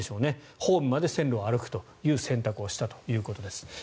ホームまで線路を歩くという選択をしたということです。